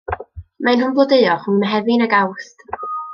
Maen nhw'n blodeuo rhwng Mehefin ag Awst.